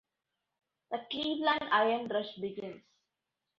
The Cleveland iron rush begins.